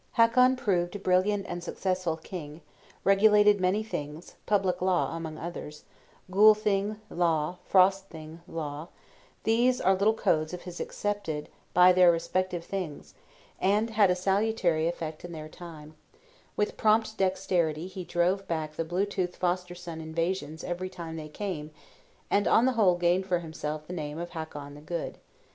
Hakon proved a brilliant and successful king; regulated many things, public law among others (Gule Thing Law, Frost Thing Law: these are little codes of his accepted by their respective Things, and had a salutary effect in their time); with prompt dexterity he drove back the Blue tooth foster son invasions every time they came; and on the whole gained for himself the name of Hakon the Good.